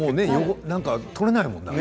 何か取れないもんな。